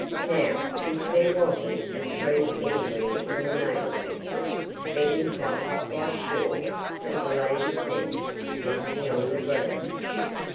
Now, since there wasn't a tree anywhere in the neighborhood, Benny felt quite sure that the lady's nest must be on the ground.